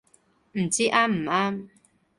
唔知啱唔啱